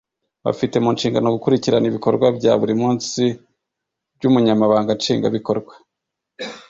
bafite mu nshingano gukurikirana ibikorwa bya buri munsi by ubunyamabanga nshingwabikorwa